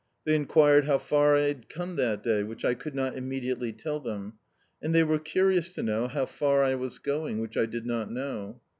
They enquired how far I had come that day, which I could not imme diately tell them; and diey were curious to know how far I was going, which I did not know.